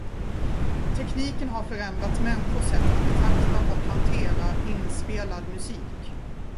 Tekniken har förändrat människors sätt att betrakta och hantera inspelad musik.